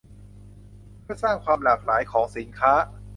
เพื่อสร้างความหลากหลายของสินค้า